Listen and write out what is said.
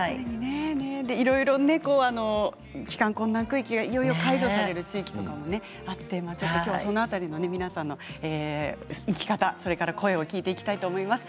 いろいろ帰還困難区域が、いよいよ解除される区域とかもあってきょうはその辺りの皆さんの生き方、それから声を聞いていきたいと思います。